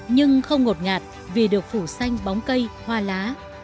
nhưng không ngột ngạt vì được phủ xanh bóng cây hoa lá